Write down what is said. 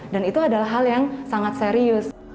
dan itu adalah hal yang sangat serius